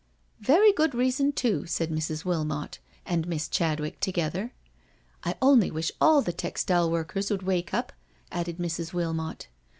..•'*" Very good reason too," said Mrs. Wilmot and Miss Chadwick together. " I only wish all the textile work ers would wake up," added Mrs. Wilmot.